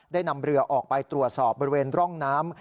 นำเรือออกไปตรวจสอบบริเวณร่องน้ำ